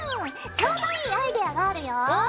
ちょうどいいアイデアがあるよ！